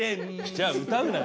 じゃあ歌うなよ。